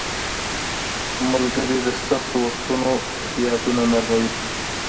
• ملګري د سختو وختونو یادونه نرموي.